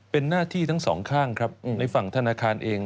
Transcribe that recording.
เป็นหน้าที่ทั้งสองข้างครับในฝั่งธนาคารเอง